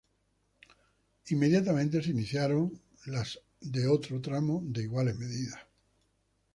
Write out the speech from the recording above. De inmediato se iniciaron las de otro tramo de iguales medidas.